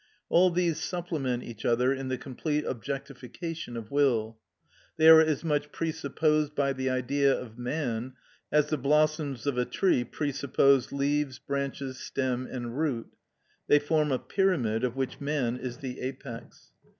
All these supplement each other in the complete objectification of will; they are as much presupposed by the Idea of man as the blossoms of a tree presuppose leaves, branches, stem, and root; they form a pyramid, of which man is the apex.